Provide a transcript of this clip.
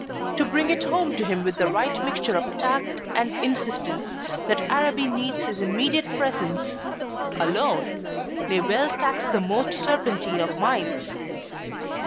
To bring it home to him with the right mixture of tact and insistence that Araby needs his immediate presence alone may well tax the most serpentine of minds."